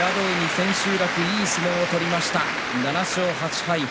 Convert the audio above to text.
千秋楽にいい相撲を取りました７勝８敗。